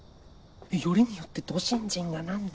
よりによってど新人が何で。